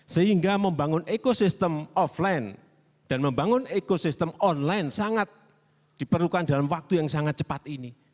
sehingga membangun ekosistem offline dan membangun ekosistem online sangat diperlukan dalam waktu yang sangat cepat ini